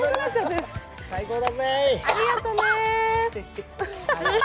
ありがとう。